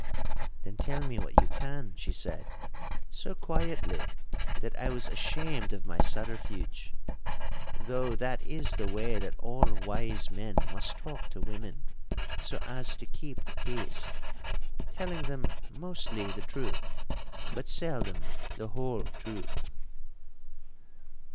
'Then tell me what you can,' she said, so quietly that I was ashamed of my subterfuge. Though that is the way that all wise men must talk to women, so as to keep the peace, telling them (mostly) the truth, but seldom the whole truth.